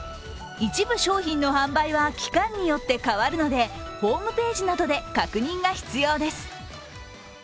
一部商品の販売は期間によって変わるのでホームページなどで確認が必要です。